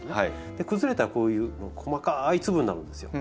崩れたらこういう細かい粒になるんですよ。